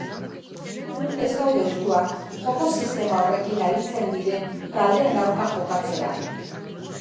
Gu ez gaude ohituak joko sistema horrekin arizen diren taldeen aurka jokatzera.